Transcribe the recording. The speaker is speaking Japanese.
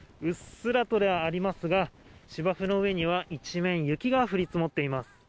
うっすらとではありますが、芝生の上には一面、雪が降り積もっています。